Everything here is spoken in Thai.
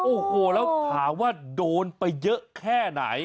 โอ้โหแล้วถามว่าโดนไปเยอะแค่ไหน